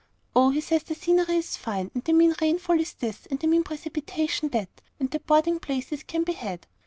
"Oh, he says the scenery is fine, and the mean rain fall is this, and the mean precipitation that, and that boarding places can be had.